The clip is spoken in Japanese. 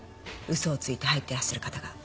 嘘をついて入ってらっしゃる方が。